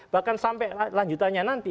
bahkan sampai lanjutannya nanti